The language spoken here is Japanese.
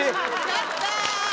やった！